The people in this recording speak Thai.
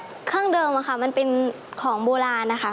เครื่องเดิมค่ะมันเป็นของโบราณนะคะ